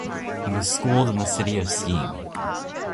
He was schooled in the city of Skien.